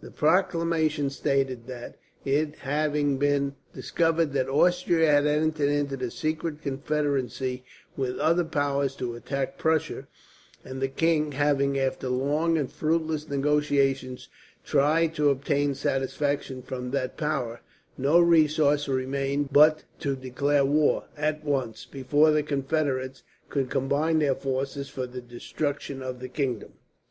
The proclamation stated that, it having been discovered that Austria had entered into a secret confederacy with other powers to attack Prussia; and the king having, after long and fruitless negotiations, tried to obtain satisfaction from that power; no resource remained but to declare war, at once, before the confederates could combine their forces for the destruction of the kingdom.